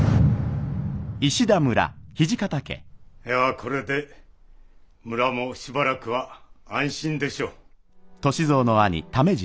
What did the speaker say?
いやこれで村もしばらくは安心でしょう。